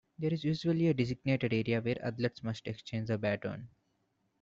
There is usually a designated area where athletes must exchange the baton.